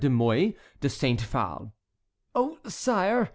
de Mouy de Saint Phale"— "Oh, sire!"